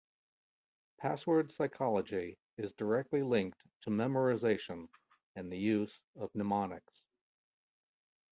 Password Psychology is directly linked to memorization and the use of mnemonics.